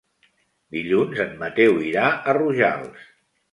Dilluns en Mateu irà a Rojals.